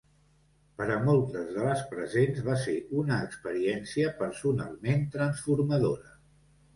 Per a moltes de les presents va ser una experiència personalment transformadora.